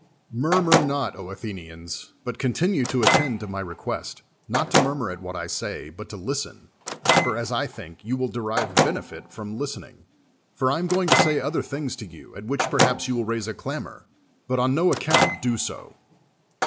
]\Iurmur not, Athenians, but continue to at tend to my request, not to murmur at what I say, but to listen, for, as I think, you will de rive benefit from listening. For I am going to say other things to you, at which perhaps you will raise a clamor; but on no account do so.